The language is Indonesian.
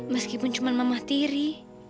meskipun cuma mama tiri